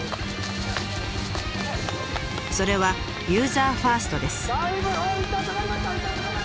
それはユーザーファーストです。